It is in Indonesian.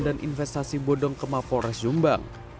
dan investasi bodong ke mapol res jombang